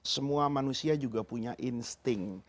semua manusia juga punya insting